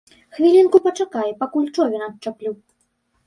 Хвілінку пачакай, пакуль човен адчаплю!